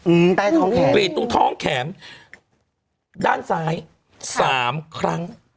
อืมใต้ท้องแขนกรีดตรงท้องแขนด้านซ้ายสามครั้ง